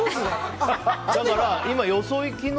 だから、今はよそいきの。